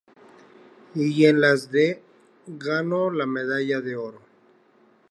Y en las de ganó la medalla de oro.